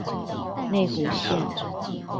內湖線